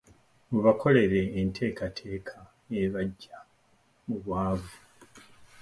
Mubakolere enteekateeka ebaggya mu bwavu,